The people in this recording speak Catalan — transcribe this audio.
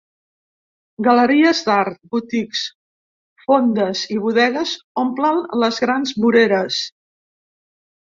Galeries d'art, boutiques, fondes i bodegues omplen les grans voreres.